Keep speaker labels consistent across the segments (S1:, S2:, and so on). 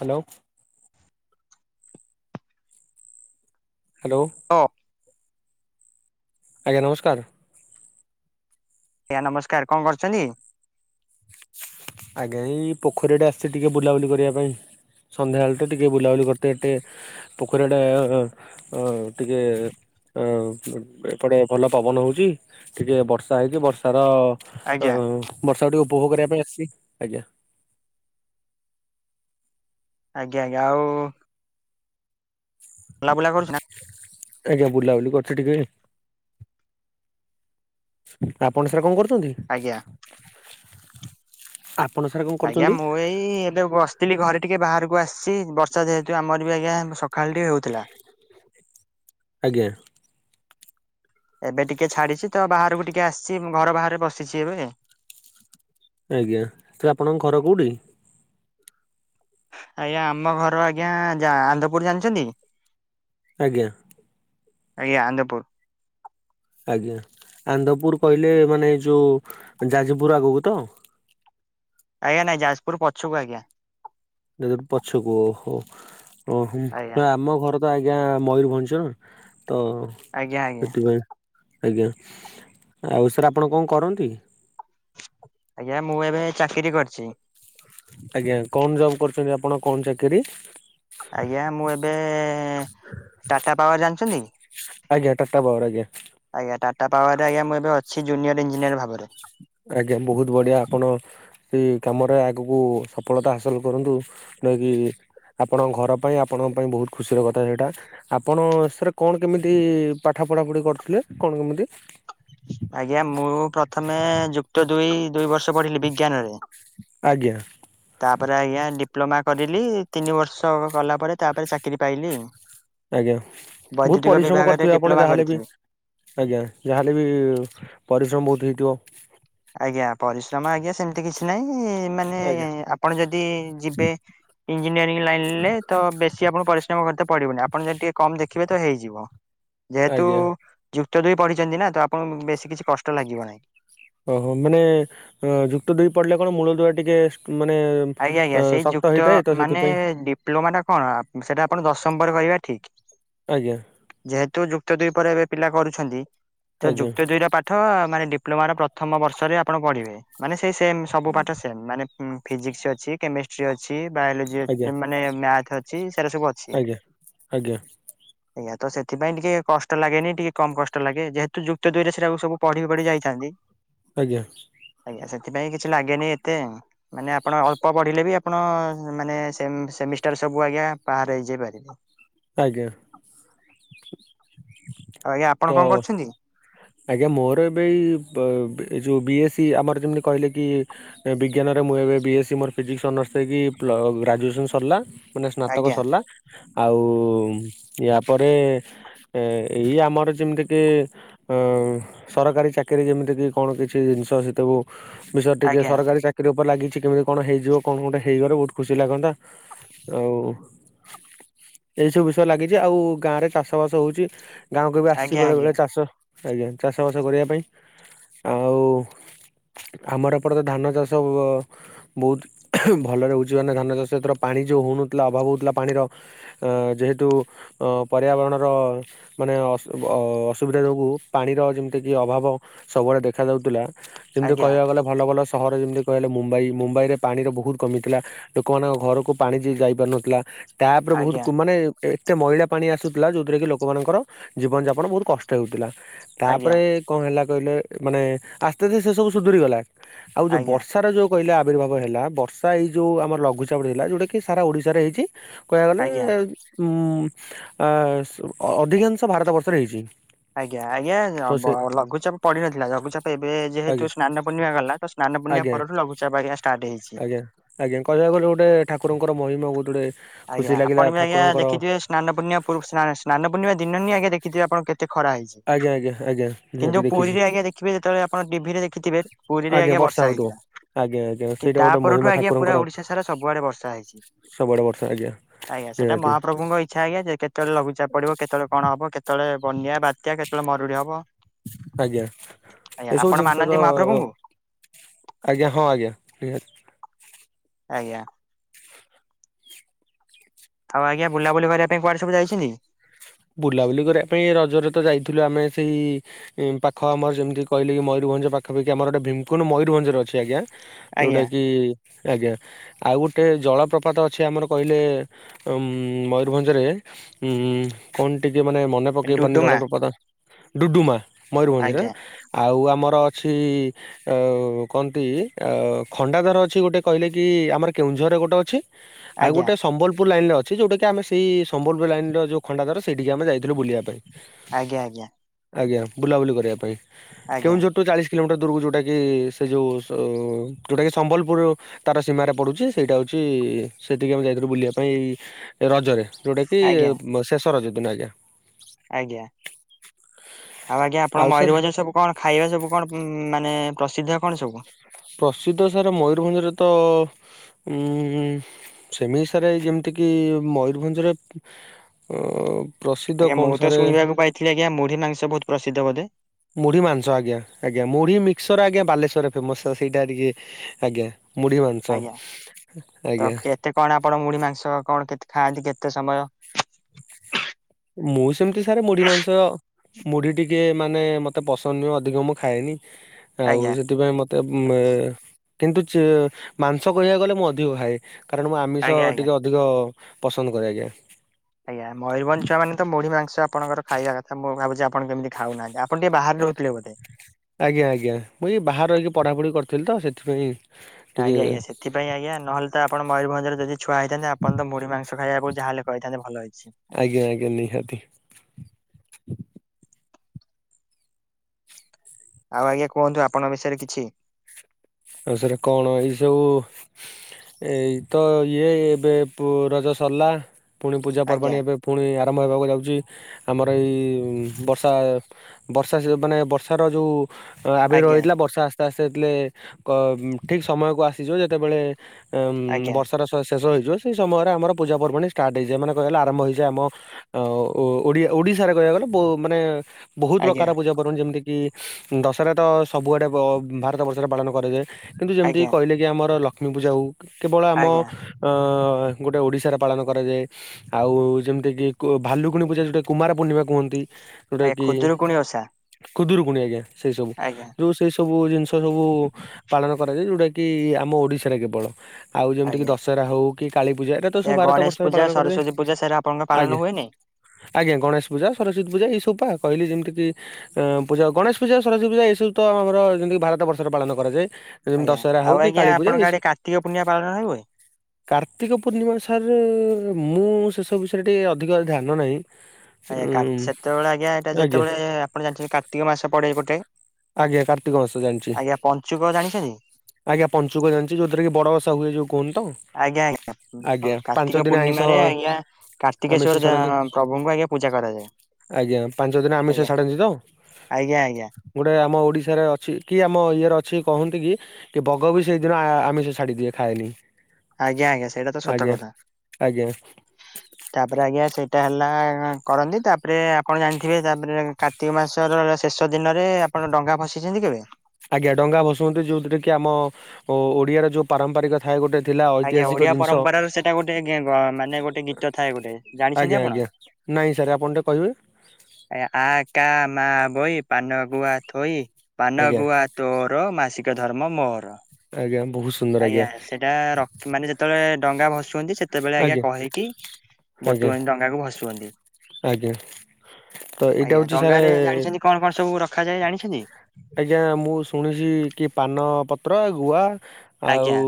S1: Hello. Hello.
S2: ଓ
S1: ଆଜ୍ଞା ନମସ୍କାର।
S2: ଆଜ୍ଞା ନମସ୍କାର କଣ କରୁଛନ୍ତି?
S1: ଆଜ୍ଞା ଏଇ ପୋଖରୀ ଆଡ଼େ ଆସିଛି ଟିକେ ବୁଲାବୁଲି କରିବା ପାଇଁ। ସନ୍ଧ୍ୟାବେଳ ତ ଟିକେ ବୁଲାବୁଲି କରତେ ଏତେ ପୋଖରୀ ଆଡ଼େ ଅ ଅ ଟିକେ। ଅ ଏପଟେ ଭଲ ପବନ ହଉଚି ଟିକେ ବର୍ଷା ହେଇକି ବର୍ଷାର ଅ
S2: ଆଜ୍ଞା
S1: ଅଂ ବର୍ଷା କୁ ଟିକେ ଉପଭୋଗ କରିବା ପାଇଁ ଆସିଛି ଆଜ୍ଞା।
S2: ଆଜ୍ଞା ଆଜ୍ଞା ଆଉ। ବୁଲାବୁଲା କରୁଛୁ ନା
S1: ଆଜ୍ଞା ବୁଲାବୁଲି କରୁଚୁ ଟିକେ। ଆପଣ ସେଟା କଣ କରୁ
S2: ଆଜ୍ଞା।
S1: ଆ
S2: ଆଜ୍ଞା ମୁଁ ଏଇ ଏବେ ବସ ଥିଲି ଘରେ ଟିକେ ବାହାରକୁ ଆସିଛି ବର୍ଷା ଯେହେତୁ ଆମର ବି ଆଜ୍ଞା ସଖାଳେ ଟିକେ ହଉଥିଲା।
S1: ଆଜ୍ଞା।
S2: ଏବେ ଟିକେ ଛାଡିଛି ତ ବାହାରକୁ ଟିକେ ଆସିଛି ଘର ବାହାରେ ବସିଛି ଏବେ।
S1: ଆଜ୍ଞା ସାର୍ ଆପଣଙ୍କ ଘର କୋଉଠି?
S2: ଆଜ୍ଞା ଆମ ଘର ଆଜ୍ଞା ଜା ଆନ୍ଦପୁର ଜାଣିଛନ୍ତି।
S1: ଆଜ୍ଞା।
S2: ଆଜ୍ଞା ଆନ୍ଦପୁର।
S1: ଆଜ୍ଞା ଆନ୍ଦପୁର କହିଲେ ମାନେ ଏ ଯୋଉ ଯାଜପୁର ଆଗକୁ ତ।
S2: ଆଜ୍ଞା ନାଇଁ ଯାଜପୁର ପଛକୁ ଆଜ୍ଞା।
S1: ଏ ଯୋଉ ପଛକୁ ଓହୋ ଓ
S2: ଆଜ୍ଞା
S1: ହୁଁ ଆମ ଘର ତ ଆଜ୍ଞା ମୟୂରଭଞ୍ଜ ତ
S2: ଆଜ୍ଞା ଆଜ୍ଞା
S1: ସେଥିପାଇଁ। ଆଜ୍ଞା ଆଉ ସାର୍ ଆପଣ କଣ କରନ୍ତି?
S2: ଆଜ୍ଞା ମୁଁ ଏବେ ଚାକିରି କରିଚି।
S1: ଆଜ୍ଞା କଣ ଜବ୍ କରୁଚନ୍ତି ଆପଣ କଣ ଚାକିରି?
S2: ଆଜ୍ଞା ମୁଁ ଏବେ ଟାଟା ପାୱାର ଜାଣିଚନ୍ତି?
S1: ଆଜ୍ଞା ଟାଟା ପାୱାର ଆଜ୍ଞା।
S2: ଟା ପାୱାର ରେ ଆଜ୍ଞା ମୁଁ ଏବେ ଅଛି ଜୁନିୟର ଇଞ୍ଜିନିଅର ଭାବରେ।
S1: ଆଜ୍ଞା ବୋହୁତ ବଢିଆ ଆପଣ। ଏଇ କାମରେ ଆଗକୁ ସଫଳତା ହାସଲ କରନ୍ତୁ। [unintelligible] ଆପଣଙ୍କ ଘର ପାଇଁ ଆପଣଙ୍କ ପାଇଁ ବୋହୁତ ଖୁସିର କଥା ସେଇଟା ଆପଣ ସାରେ କଣ କେମିତି ପାଠ ପଢାପଢି କରୁଥିଲେ କଣ କେମିତି?
S2: ଆଜ୍ଞା ମୁଁ ପ୍ରଥମେ ଯୁକ୍ତ ଦୁଇ ଦୁଇ ବର୍ଷ ପଢିଲି ବିଜ୍ଞାନରେ ତା
S1: ଆଜ୍ଞା
S2: ତାପରେ ଆଜ୍ଞା ଡିପ୍ଲୋମା କରିଲି ତିନି ବର୍ଷ ଗଲା ପରେ ତାପରେ ଚାକିରି ପାଇଲି।
S1: ଆଜ୍ଞା ବୋହୁତ
S2: ବୈଦ୍ୟୁତିକ
S1: ପରିଶ୍ରମ
S2: ବିଭାଗରେ
S1: କରିଥିବେ ଆପଣ
S2: ଡିପ୍ଲୋମା
S1: ଯାହାହେଲେ ବି
S2: କରିଥିଲି।
S1: ଆଜ୍ଞା ଯାହା ହେଲେ ବି ପରିଶ୍ରମ ବହୁତ ହେଇଥିବ।
S2: ଆଜ୍ଞା ପରିଶ୍ରମ ଆଜ୍ଞା ସେମିତି କିଛି ନାଇ। ଇ ମାନେ
S1: ଆଜ୍ଞା।
S2: ଆପଣ ଯଦି ଯିବେ ଇଞ୍ଜିନିୟରିଂ ଲାଇନ ଲେ ତ ବେଶୀ ଆପଣକୁ ପରିଶ୍ରମ କରିତେ ପଡ଼ିବନି ଆପଣ ଯଦି ଟିକେ କମ୍ ଦେଖିବେ ତ ହେଇଯିବ। ଯେହେତୁ
S1: ଆଜ୍ଞା
S2: ଯୁକ୍ତ ଦୁଇ ପଢିଛନ୍ତି ନା ତ ଆପଣଙ୍କୁ ବେଶୀ କିଛି କଷ୍ଟ ଲାଗିବ ନାହିଁ।
S1: ଓହୋ ମାନେ ଅ ଯୁକ୍ତ ଦୁଇ ପଢିଲେ କଣ ମୂଳ ଦୁଆ ଟିକେ ମାନେ
S2: ଆଜ୍ଞା ଆଜ୍ଞା
S1: ଅ
S2: ସେଇ
S1: ଶକ୍ତ
S2: ଯୁକ୍ତ
S1: ହେଇଥାଏ ତ
S2: ମାନେ
S1: ସେଥିପାଇଁ
S2: ଡିପ୍ଲୋମା ଟା କଣ ସେଟା ଆପଣ ଦଶମ ପରେ କରିବା ଠିକ୍।
S1: ଆଜ୍ଞା।
S2: ଯୋଉ ଯୁକ୍ତ ଦୁଇ ପରେ ଏବେ ପିଲା କରୁଛନ୍ତି, ତ
S1: ଆଜ୍ଞା
S2: ଯୁକ୍ତ ଦୁଇର ପାଠ ମାନେ ଡିପ୍ ଡିପ୍ଲୋମାର ପ୍ରଥମ ବର୍ଷରେ ଆପଣ ପଢ଼ିବେ ମାନେ ସେଇ ସେମ୍ ସବୁ ପାଠ ସେମ୍ ମାନେ ଉଁ ଫିଜିକ୍ସ ଅଛି କେମେଷ୍ଟ୍ରି ଅଛି ବାୟୋଲୋଜି
S1: ଆଜ୍ଞା
S2: ଅ ମାନେ ମ୍ୟାଥ୍ ଅଛି ସେରା ସବୁ ଅଛି।
S1: ଆଜ୍ଞା ଆଜ୍ଞା।
S2: ଆଜ୍ଞା ତ ସେଥିପାଇଁ ଟିକେ କଷ୍ଟ ଲାଗେନି ଟିକେ କମ କଷ୍ଟ ଲାଗେ ଯେହେତୁ ଯୁକ୍ତ ଦୁଇରେ ସେରାକୁ ସବୁ ପଢ଼ି ପଢ଼ି ଯାଇଥାନ୍ତି।
S1: ଆଜ୍ଞା।
S2: ଆଜ୍ଞା ସେଥିପାଇଁ କିଛି ଲାଗେନି ଏତେ। ମାନେ ଆପଣ ଅଳ୍ପ ପଢିଲେ ବି ଆପଣ ମାନେ ସେମି ସେମିଷ୍ଟାର ସବୁ ଆଜ୍ଞା ପାର୍ ହେଇଯାଇ ପାରିବେ।
S1: ଆଜ୍ଞା
S2: ଆଉ ଆଜ୍ଞା ଆପଣ
S1: ତ
S2: କଣ କରୁଛନ୍ତି?
S1: ଆଜ୍ଞା ମୋର ଏବେ ଏଇ ବ ଅ ଏ ଯୋଉ ବି ଏ ସି ଆମର ଯେମିତି କହିଲେ କି ବିଜ୍ଞାନରେ ମୁଁ ବି ଏ ସି ମୋର ଫିଜିକ୍ସ ଅନରସ ଥାଇକି, ଗ୍ରାଯୁଏସନ ସରିଲା, ମାନେ ସ୍ନାତକ
S2: ଆଜ୍ଞା
S1: ସରଲା। ଆଉ ୟା ପରେ ଏ ଇଏ ଆମର ଯେମିତି ଟିଏ ଅ ସରକାରୀ ଚାକିରି ଯେମିତି କିି କଣ କିଛି ଜିନିଷ ସେତବୁ ବିଷୟରେ ଟିକେ
S2: ଆଜ୍ଞା
S1: ସରକାରୀ ଚାକିରି ଉପରେ ଲାଗି କିଛି କେମିତି କଣ ହେଇଯିବ କଣ ଗୋଟେ ହେଇଗଲେ ବହୁତ ଖୁସି ଲାଗନ୍ତା ଆଉ ଏଇସବୁ ବିଷୟ ଲାଗିଛି। ଆଉ ଗାଁ ରେ ଚାଷ ବାସ ହଉଚି, ଗାଁକୁ ଏବେ ଆସିଛି
S2: ଆଜ୍ଞା
S1: ବେଳେ
S2: ଆଜ୍ଞା
S1: ବେଳେ ଚାଷ ଆଜ୍ଞା। ଚାଷବାସ କରିବା ପାଇଁ ଆଉ ଆମର ଏପଟେ ତ ଧାନ ଚାଷ ବହୁତ ଭଲରେ ହେଉଛି ମାନେ ଧାନ ଚାଷ ଏଥର ପାଣି ଯୋଉ ଅଭାବ ହଉନଥିଲା, ଅଭାବ ହୋଉଥିଲା ପାଣିର, ଯେହେତୁ [unintelligible] ଅସୁବିଧା ଯୋଗୁଁ ପାଣିର ଯେମିତି କି ଅଭାବ ସବୁଆଡ଼େ ଦେଖା ଯାଉଥିଲା, ଯେମିତି
S2: ଆଜ୍ଞା
S1: କହିବାକୁ ଗଲେ ଭଲ ଭଲ ସହର ଯେମିତି କହିଲେ ମୁମ୍ବାଇ, ମୁମ୍ବାଇ ରେ ପାଣିର ବହୁତ କମିଥିଲା, ଲୋକମାନଙ୍କ ଘରକୁ ପାଣି ଯାଇପାରୁନଥିଲା। ତାପରେ ବହୁତ
S2: ଆଜ୍ଞା
S1: ମାନେ ଏତେ ମଇଳା ପାଣି ଆସୁଥିଲା, ଯୋଉଥିରେ କି ଲୋକମାନଙ୍କର ଜୀବନ ଯାପନ ବହୁତ କଷ୍ଟ ହେଉଥିଲା।
S2: ଆଜ୍ଞା।
S1: ତାପରେ କଣ ହେଲା କହିଲେ ମାନେ, ଆସ୍ତେ ଆସ୍ତେ ସେ ସବୁ ସୁଧୁରି ଗଲା। ଆଉ ଯୋଉ
S2: ଆଜ୍ଞା
S1: ବର୍ଷାର ଯୋଉ, କହିଲେ ଆବିର୍ଭାବ ହେଲା, ବର୍ଷା ଏଇ ଯୋଉ ଆମର ଲଘୁଚାପ ଥିଲା, ଯୋଉଟା କିି ସାରା ଓଶାରେ ହେଇଛି। କହିବା ଗଲେ
S2: ଆଜ୍ଞା
S1: ଉଁ ଆ ଅଧିକାଂଶ ଭାରତ ବର୍ଷରେ ହେଇଛି।
S2: ଆଜ୍ଞା ଆଜ୍ଞା
S1: ତ ସେ
S2: ଲଘୁଚାପ ପଡିନଥିଲା, ଲଘୁଚାପ ଏବେ
S1: ଆଜ୍ଞା
S2: ଯେହେତୁ ସ୍ନାନ ପୂର୍ଣ୍ଣିମା ଗଲା ତ, ସ୍ନାନ ପୂର୍ଣ୍ଣିମା
S1: ଆଜ୍ଞା
S2: ପରଠୁ ଲଘୁଚାପ ଆଜ୍ଞା ଷ୍ଟାର୍ଟ ହେଇଛି।
S1: ଆଜ୍ଞା ଆଜ୍ଞା କହିବାକୁ ଗଲେ ଗୋଟେ ଠାକୁରଙ୍କର ମହିମା ବହୁତ୍ ଗୁଡେ
S2: ଆଜ୍ଞା ଆପଣ ବି ଆଜ୍ଞା ଦେଖଥିବେ ସ୍ନାନ ପୂର୍ଣ୍ଣିମା ସ୍ନାନ ପୂର୍ଣ୍ଣିମା ଦିନବି ଆଜ୍ଞା ଦେଖିଥିବେ ଆପଣ କେ ଏତେ ଖରା ହେଇଛି।
S1: ଆଜ୍ଞା ଆଜ୍ଞା ଆଜ୍ଞା ନିହାତି
S2: କିନ୍ତୁ
S1: ଦେଖିଛି
S2: ପୁରୀରେ ଆଜ୍ଞା ଦେଖିବେ ଯେତେବେଳେ ଆପଣ ଟିଭିରେ ଦେଖିଥିବେ ପୁରୀରେ ଆଜ୍ଞା ବର୍ଷା ହେଇଥିଲା।
S1: ଆଜ୍ଞା ଆଜ୍ଞା
S2: କିନ୍ତୁ
S1: ସେଇଟା
S2: ତା
S1: ଗୋଟେ
S2: ପରଠୁ
S1: ମହିମା
S2: ଆଜ୍ଞା ପୁରା
S1: ଠାକୁରଙ୍କର
S2: ଓଡିଶା ସାରା ସବୁଆଡେ ବର୍ଷା ହେଇଛି।
S1: ସବୁଆଡେ ବର୍ଷା ଆଜ୍ଞା
S2: ଆଜ୍ଞା, ସେଟା
S1: ନିହାତି
S2: ମହାପ୍ରଭୁଙ୍କ ଇଚ୍ଛା ଆଜ୍ଞା, କେତେବେଳେ ଲଘୁଚାପ ପଡିବ, କେତେବେଳେ କଣ ହବ, କେତେବେଳେ କେତେବେଳେ ବନ୍ୟା, ବାତ୍ୟା କେତେବେଳେ ମରୁଡି ହବ।
S1: ଆଜ୍ଞା।
S2: ଆଜ୍ଞା
S1: ଏସବୁ
S2: ଆପଣ ମାନନ୍ତି
S1: ଜିନିଷର
S2: ମହାପ୍ରଭୁଙ୍କୁ
S1: ଆଜ୍ଞା ହଁ ଆଜ୍ଞା।
S2: ଆଜ୍ଞା। ଆଉ ଆଜ୍ଞା ବୁଲାବୁଲି କରିବା ପାଇଁ କୁଆଡେ ସବୁ ଯାଇଛନ୍ତି?
S1: ବୁଲାବୁଲି କରିବା ପାଇଁ ରଜରେ ତ ଯାଇଥିଲୁ ଆମେ ସେଇ ପାଖ ଆମର ଯେମିତି କହିଲେ ମୟୂର ମୟୂରଭଞ୍ଜ ପାଖପଖି ଆମର ଗୋଟେ ଭୀମକୁନ ମୟୂରଭଞ୍ଜ ଅଛି ଆଜ୍ଞା ଯୋଉଟା
S2: ଆଜ୍ଞା
S1: କି, ଆଜ୍ଞା, ଆଉ ଗୋଟେ ଜଳପ୍ରପାତ ଅଛି ଆମର କହିଲେ ଉମ୍ ମୟରଭଞ୍ଜରେ ହୁଁ କଣ ଟିକେ ମାନେ ମନେ ପକେଇ ପାରୁନି
S2: ଡୁଡୁମା
S1: ଜଳପ୍ରପାତ ଡୁଡୁମା ମୟରଭଞ୍ଜରେ
S2: ଆଜ୍ଞା
S1: ଆଉ ଆମର ଅଛି ଓ କହନ୍ତି ଓ ଖଣ୍ଡାଧାର ଅଛି ଗୋଟେ କହିଲେ କି ଆମର କେଉଁଝର ଗୋଟେ ଅଛି। ଆଉ
S2: ଆଜ୍ଞା
S1: ଗୋଟେ ସମ୍ବଲପୁର ଲାଇନରେ ଅଛି, ଯୋଉଟା କି- ଆମେ ସେଇ ସମ୍ବଲପୁର ଲାଇନରେ ଯୋଉ ଖଣ୍ଡା ଦର ସେଇଠିକି ଆମେ ଯାଇଥିଲୁ ବୁିଲିବା ପାଇଁ
S2: ଆଜ୍ଞା ଆଜ୍ଞା।
S1: ଆଜ୍ଞା ବୁଲାବୁଲି କରିବା ପାଇଁ,
S2: ଆଜ୍ଞା
S1: କେଉଁଝର ଠୁ ଚାଳିଶ କିଲୋମିଟର ଦୂରକୁ ଯୋଉଟା କି ସେ ଯୋଉ ଯୋଉଟା କି ସମ୍ବଲପୁର ତାର ସୀମାରେ ପଡୁଛି ସେଇଟା ହଉଛି ଛି ସେତିକି ଆମେ ଯାଇଥିଲୁ ବୁଲିବା ପାଇଁ ରଜରେ ଯୋଉଟା କି
S2: ଆଜ୍ଞା
S1: ଶେଷ ରଜ ଦିନ ଆଜ୍ଞା।
S2: ଆଜ୍ଞା ଆଉ ଆଜ୍ଞା ଆପଣଙ୍କ ମୟୂରଭଞ୍ଜ ସବୁ କଣ ଖାଇବା ସବୁ କଣ ମାନେ ପ୍ରସିଦ୍ଧ କଣ ସବୁ?
S1: ପ୍ରସିଦ୍ଧ ସାର ମୟୂରଭଞ୍ଜରେ ତ ଉଁ ସେମି ସାରେ ଯେମିତି କିି ମୟୂରଭଞ୍ଜରେ ଅ ଅ
S2: ଆଜ୍ଞା ମୁଁ ତ ଶୁଣିବାକୁ ପାଇଥିଲି ଆଜ୍ଞା ମୁଢୀ ମାଂସ ବହୁତ ପ୍ରସିଦ୍ଧ ବୋଧେ?
S1: ମୁଢ଼ି ମାଂସ ଆଜ୍ଞା ଆଜ୍ଞା। ମୁଢ଼ି ମିକ୍ସର ଆଜ୍ଞା ବାଲେଶ୍ଵରରେ ଫେମସ ସେଇଟା ଟିକେ ଆଜ୍ଞା ମୁଢି ମାଂସ
S2: ଆଜ୍ଞା ତ
S1: ଆଜ୍ଞା
S2: କେତେ କଣ ଆପଣ ମୁଢି ମାଂସ କଣ କେତେ ଖାଆନ୍ତି କେତେ ସମୟ
S1: ମୁଁ ସେମିତି ସାର୍ ମୁଢି ମାଂସ, ମୁଢି ଟିକେ ମାନେ ମତେ ପସନ୍ଦ ନିହ ଅଧିକ ମୁଁ ଖାଏନି। ଆଉ
S2: ଆଜ୍ଞା
S1: ସେଥିପାଇଁ ମତେ ଉ କିନ୍ତୁ ଚି ମାଂସ କହିବାକୁ ଗଲେ ମୁଁ ଅଧିକ ଖାଏ କାରଣ ମୁଁ
S2: ଆଜ୍ଞା
S1: ଆମିଷ
S2: ଆଜ୍ଞା
S1: ଟିକେ ଅଧିକ ପସନ୍ଦ [unintelligible]
S2: ଆଜ୍ଞା ମୟୂରଭଞ୍ଜ ଛୁଆ ମାନେ ତ ମୁଢି ମାଂସ ଆପଣଙ୍କର ଖାଇବା କଥା ମୁଁ ଭାବୁଛି ଆପଣ କେମିତି ଖାଉନାହାନ୍ତି, ଆ
S1: ଆଜ୍ଞା ଆଜ୍ଞା, ମୁଁ ଏଇ ବାହାର ରହିକି ପଢାପଢି କରୁଥିଲି ତ ସେଥିପାଇଁ ଟିକେ
S2: ଆଜ୍ଞା ଆଜ୍ଞା, ସେଥିପାଇଁ ଆଜ୍ଞା ନହେଲେ ତ୍ ଆପଣ ମୟୂରଭଞ୍ଜରେ ଯଦି ଛୁଆ ହେଇଥାନ୍ତେ ଆପଣ ତ ମୁଢି ମାଂସ ଖାଇବାକୁ ଯାହାଲେ କହିଥାନ୍ତେ ଭଲ ହେଇଛି।
S1: ଆଜ୍ଞା ଆଜ୍ଞା ନିହାତି
S2: ଆଉ ଆଜ୍ଞା କୁହନ୍ତୁ ଆପଣଙ୍କ ବିଷୟରେ କିଛି।
S1: ଆଉ ସେରେ କଣ ଏଇ ସବୁ ଏଇ ତ ଇଏ ଏବେ ତ ରଜ ସରିଲା ପୁଣି ପୂଜା
S2: ଆଜ୍ଞା
S1: ପର୍ବାଣୀ ଏବେ ପୁଣି ଆରମ୍ଭ ହେବାକୁ ଯାଉଛି, ଆମର ଏଇ ବର୍ଷା ବର୍ଷା ସିଜ ମାନେ ବର୍ଷାର ଯେଉଁ ଆବିର୍ଭାବ
S2: ଆଜ୍ଞା
S1: ହେଇଥିଲା ବର୍ଷା ଆସ୍ତେ ଆସ୍ତେ ଯେତେବେଳେ କ ଠିକ ସମୟକୁ ଆସିଯିବ ଯେତେବେଳେ ଉଁମ
S2: ଆଜ୍ଞା
S1: ବର୍ଷାର ଶ ଶେଷ ହେଇଯିବ ସେ ସମୟରେ ଆମର ପୂଜା ପର୍ବଣୀ ଷ୍ଟାର୍ଟ ହେଇଯାଏ ମାନେ କହିଲେ ଆରମ୍ଭ ହେଇଯାଏ ଆମ ଓଡ଼ି ଓଡି ସାରା କହିବାକୁ ଗଲେ ବ ମାନେ ବହୁତ ପ୍ରକାର
S2: ଆଜ୍ଞା
S1: ପୂଜା ପର୍ବାଣୀ ଯେମିତିକି ଦଶହରା ତ ସବୁଆଡ଼େ ବ ଭାରତ ବର୍ଷରେ ପାଳନ କରାଯାଏ। କିନ୍ତୁ ଯେମିତି
S2: ଆଜ୍ଞା
S1: କହିଲେ କି ଆମର ଲକ୍ଷ୍ମୀ ପୂଜା ହଉ କେବଳ ଆମ
S2: ଆଜ୍ଞା
S1: ଅଅ ଗୋଟେ ଓଡ଼ିଶାରେ ପାଳନ କରାଯାଏ, ଆଉ ଯେମିତିକି ଭାଲୁକୁଣୀ ପୂଜା ଯୋଉଟା କୁମାର ପୂର୍ଣ୍ଣିମା କୁହନ୍ତି।
S2: ଆଜ୍ଞା
S1: ଯେଉଁଟାକି
S2: ଖୁଦୁରୁକୁଣୀ ଓଷା।
S1: ଖୁଦୁରୁକୁଣୀ ଆଜ୍ଞା ସେଇ ସବୁ
S2: ଆଜ୍ଞା
S1: ଯେଉଁ ସେଇ ସବୁ ଜିନିଷ ସବୁ ପାଳନ କରାଯାଏ ଯୋଉଟା କି ଆମ ଓଡିଶାରେ କେବଳ। ଆଉ ଯେମିତି କିି
S2: ଆଜ୍ଞା
S1: ଦଶହରା ହଉ କି କାଳୀପୂଜା ଏଇଟା ତ ସବୁ ଭାରତ ବର୍ଷରେ ପାଳନ କରାଯାଏ।
S2: ତମେ କଣ ପାଳନ
S1: ଆଜ୍ଞା
S2: ହୁଏନି?
S1: ଆଜ୍ଞା ଗଣେଶ ପୂଜା ସରସ୍ଵତି ପୂଜା ଏଇ ସବୁ ପା କହିଲି ଯେମିତି କିି ପୂଜା ଗଣେଶ ପୂଜା ସରସ୍ୱତୀ ପୂଜା ଏସବୁ ତ ଆମର ଯେମତିିକି ଭାରତ ବର୍ଷରେ ପାଳନ କରାଯାଏ। ଯେମିତି
S2: ଆଜ୍ଞା
S1: ଦଶହରା ହଉ
S2: ଆଉ
S1: କି
S2: ଆଜ୍ଞା
S1: କାଳୀ ପୂଜା ଏଇ
S2: ଆପଣଙ୍କ ଆଡେ
S1: ସବୁ
S2: କାର୍ତ୍ତିକ ପୂର୍ଣ୍ଣିମା ପାଳନ ହୁଏ?
S1: କାର୍ତ୍ତିକ ପୂର୍ଣ୍ଣିମା ସାର୍ ମୁଁ ସେସବୁ ବିଷୟରେ ଟିକିଏ ଅଧିକ ଧ୍ୟାନ ନାହିଁ
S2: ଆଜ୍ଞା କା
S1: ଉଁ
S2: ସେତେବେଳେ ଆଜ୍ଞା ଏଟା
S1: ଆଜ୍ଞା
S2: ଯେତେବେଳେ ଆପଣ ଜାଣିଛନ୍ତି କାର୍ତ୍ତିକ ମାସ ପଡେ ଗୋଟେ?
S1: ଆଜ୍ଞା କାର୍ତ୍ତିକ ମାସ ଜାଣିଛି।
S2: ଆଜ୍ଞା ପଞ୍ଚୁକ ଜାଣିଛନ୍ତି?
S1: ଆଜ୍ଞା ପଞ୍ଚୁକ ଜାଣିଛି ଯୋଉଥିରେ କି ବଡ ଓଷା ହୁଏ ଯୋଉ କୁହନ୍ତି ତ?
S2: ଆଜ୍ଞା ଆଜ୍ଞା
S1: ପାଞ୍ଚ
S2: କାର୍ତ୍ତିକ
S1: ଦିନ ଆଇଁଷ
S2: ପୂର୍ଣ୍ଣିମାରେ ଆଜ୍ଞା
S1: ଆମିଷ
S2: କାର୍ତ୍ତିକେଶ୍ଵର ଜ
S1: ଛାଡନ୍ତି
S2: ପ୍ରଭୁଙ୍କୁ ଆଜ୍ଞା ପୁ ଜା କରାଯାଏ।
S1: ଆଜ୍ଞା ପାଞ୍ଚ ଦିନ ଆମିଷ
S2: ଆଜ୍ଞା
S1: ଛାଡନ୍ତି ତ?
S2: ଆଜ୍ଞା ଆଜ୍ଞା।
S1: ଗୋଟେ ଆମ ଓଡ଼ିଶାରେ ଅଛି କି ଆମ ଇଏରେ ଅଛି କହନ୍ତି କି ବଗ ବି ସେଇଦିନ ଆମିଷ ଛାଡ଼ିଦିଏ। ଖାଏନି।
S2: ଆଜ୍ଞା ଆଜ୍ଞା, ସେଇଟା ତ ସତ
S1: ଆଜ୍ଞା
S2: କଥା,
S1: ଆଜ୍ଞା
S2: ତାପରେ ଆଜ୍ଞା ସେ ଏଟା ହେଲା କରନ୍ତି ତାପରେ ଆପଣ ଜାଣିଥିବେ ତାପରେ କାର୍ତ୍ତିକ ମାସର ଶେଷ ଦିନରେ ଆପଣ ଡଙ୍ଗା ଭସେଇଛନ୍ତି କେବେ?
S1: ଆଜ୍ଞା ଡଙ୍ଗା ଭସଉଛନ୍ତି ଯୋଉଥିରେ କି ଆମ ଓଡିଆର ଯୋଉ ପାରମ୍ପରିକ ଥାଏ ଗୋଟେ ଥିଲା
S2: ଆଜ୍ଞା
S1: ଐତିହାସିକ
S2: ଓଡିଆ
S1: ଜିନିଷ
S2: ପରମ୍ପରାର ସେଇଟା ଗୋଟେ ମାନେ ଗୋଟେ ଗୀତ ଥାଏ ଗୋଟେ
S1: ଆଜ୍ଞା
S2: ଜାଣିଛନ୍ତି ଆପଣ?
S1: ଆଜ୍ଞା ନାଇଁ ସାର୍ ଆପଣ ଟିକେ କହିବେ
S2: ଆଜ୍ଞା ଆ କା ମା ବୋଇ ପାନ ଗୁଆ ଥୋଇ, ପାନ
S1: ଆଜ୍ଞା
S2: ଗୁଆ ତୋର ମାସିକ ଧର୍ମ ମୋର।
S1: ଆଜ୍ଞା। ବହୁତ ସୁନ୍ଦର
S2: ଆଜ୍ଞା ସେଟା ରଖ ମାନେ ଯେତେବେଳେ ଡଙ୍ଗା ଭସୁଛନ୍ତି ସେ ସେତେବେଳେ ଆଜ୍ଞା କହିକି
S1: ଆଜ୍ଞା
S2: ବଟୁନ୍ତି ଡଙ୍ଗାକୁ ଭସୁନ୍ତି।
S1: ଆଜ୍ଞା ତ ଏଇଟା
S2: ଆଜ୍ଞା,
S1: ହଉଛି
S2: ଡଙ୍ଗାରେ
S1: ସାର୍
S2: ଜାଣିଛନ୍ତି କଣ କଣ ସବୁ ରଖାଯାଏ ଜାଣି
S1: ଆଜ୍ଞା ମୁଁ ଶୁଣିଛି କି ପାନ ପତ୍ର ଗୁଆ
S2: ଆଜ୍ଞା
S1: ଆଉ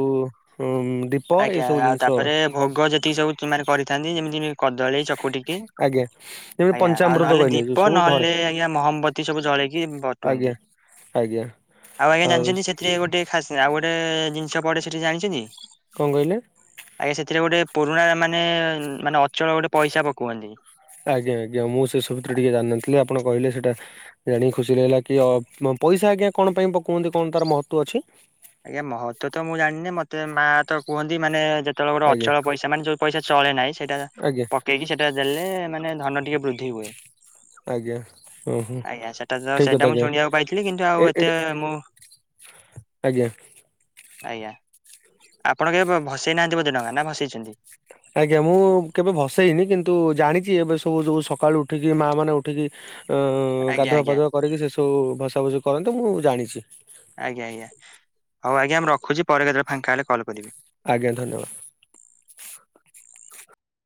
S1: ଉଁ, ଦୀପ ଏଇ
S2: ଆଜ୍ଞା,
S1: ସବୁ
S2: ଆଉ
S1: ଜିନିଷ
S2: ତାପରେ ଭୋଗ ଯେତିକି ସବୁ ମାନେ କରିଥାନ୍ତି ଯେମିତିବି କଦଳୀ ଚକୁଟିକି,
S1: ଆଜ୍ଞା ଯେମିତି
S2: ଆଜ୍ଞା ଆଉ
S1: ପଞ୍ଚାମୃତ
S2: ନହେଲେ
S1: କହିଲେ
S2: ଦୀପ
S1: ଯୋଉ ସବୁ ଘରେ
S2: ନହେଲେ ଆଜ୍ଞା ମହମବତୀ ସବୁ ଜଳ ଦେଖି ବଟୁଅନ୍ତି
S1: ଆଜ୍ଞା ଆଜ୍ଞା
S2: ଆଉ ଆଜ୍ଞା ଜାଣିଛନ୍ତି ସେଥିରେ ଗୋଟେ ଖାସ ଆଉ ଗୋଟେ ଗୋଟେ ଜିନିଷ ପଡେ ସେଠି ଜାଣିଛନ୍ତି।
S1: କଣ କହିଲେ
S2: ଆଜ୍ଞା ସେଥିରେ ଗୋଟେ ପୁରୁଣା ମାନେ ମାନେ ଅଚଳ ଗୋଟେ ପଇସା ପକୋଅନ୍ତି।
S1: ଆଜ୍ଞା ଆଜ୍ଞା ମୁଁ ସେ ସବୁଥିରେ ଟିକେ ଜାଣିନଥିଲି। ଆପଣ କହିଲେ ସେଇଟା ଜାଣିିକି ଖୁସି ଲାଗିଲା କି ଅ ପମ ପଇସା ଆଜ୍ଞା କଣ ପାଇଁ ପକୁଅନ୍ତି? କଣ ତାର ମହତ୍ଵ ଅଛି?
S2: ଆଜ୍ଞା ମହତ୍ଵ ତ ମୁଁ ଜାଣିନି। ମତେ ମା ତ କୁହନ୍ତି ମାନେ ଯେ ଯେତେବେଳେ ଗୋଟେ
S1: ଆଜ୍ଞା
S2: ଅଚଳ ପଇସା, ମାନେ ଯୋଉ ପଇସା ଚଳେ ନାହିଁ ସେଇଟା
S1: ଆଜ୍ଞା
S2: ପକେଇକି ସେଇଟା ଦେଲେ ମାନେ ଧନ ଟିକେ ବୃଦ୍ଧି ହୁଏ।
S1: ଆଜ୍ଞା ଓହୋ
S2: ଆଜ୍ଞା ସେଟା ତ
S1: ଠିକ କଥା
S2: ସେଇଟା ମୁଁ
S1: ଆଜ୍ଞା
S2: ସୁଣିବାକୁ ପାଇଥିଲି, କିନ୍ତୁ
S1: ଏ
S2: ଆଉ ଏତେ
S1: ଏଇଟା
S2: ମୁଁ
S1: ଆଜ୍ଞା।
S2: ଆଜ୍ଞା। ଆପଣ କେବେ ଭସେଇ ନାହାନ୍ତି ବୋଧେ ଡଙ୍ଗା ନା ଭସେଇଛନ୍ତି?
S1: ଆଜ୍ଞା ମୁଁ କେବେ ଭସେଇନି। କିନ୍ତୁ ଜାଣିଛି ଏବେ ସବୁ ଯୋଉ ସକାଳୁ ଉଠିକି ମା ମାନେ ଉଠିକି ଅ
S2: ଆଜ୍ଞା
S1: ଗାଧୁଆ
S2: ଆଜ୍ଞା
S1: ପାାଧୁଆ କରିକି ସେ ସବୁ ଭସା ଭସି କରନ୍ତି ମୁଁ ଜାଣିଛି।
S2: ଆଜ୍ଞା ଆଜ୍ଞା। ହଉ ଆଜ୍ଞା ମୁଁ ରଖୁଛି ପରେ କେତେବେଳେ ଫାଙ୍କା ହେଲେ କଲ୍ କରିବି।
S1: ଆଜ୍ଞା ଧନ୍ୟବାଦ।